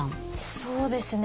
そうですね。